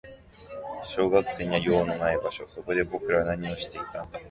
小学生には用のない場所。そこで僕らは何をしていたんだ。